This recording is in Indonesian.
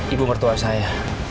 ibu mertua saya